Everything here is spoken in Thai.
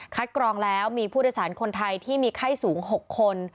กรองแล้วมีผู้โดยสารคนไทยที่มีไข้สูง๖คน